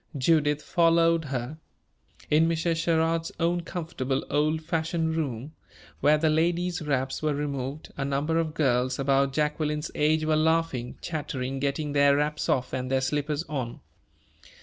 Judith followed her. In Mrs. Sherrard's own comfortable old fashioned room, where the ladies' wraps were removed, a number of girls about Jacqueline's age were laughing, chattering, getting their wraps off and their slippers on.